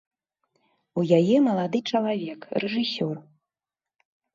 У яе малады чалавек, рэжысёр.